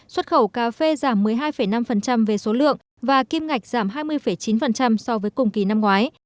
xuất khẩu cà phê giảm một mươi hai năm về số lượng và kim ngạch giảm hai mươi chín so với cùng kỳ năm ngoái